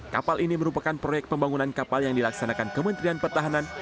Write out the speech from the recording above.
kapal ini merupakan proyek pembangunan kapal yang dilaksanakan kementerian pertahanan